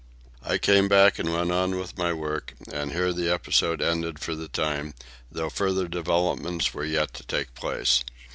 I came back and went on with my work; and here the episode ended for the time, though further developments were yet to take place.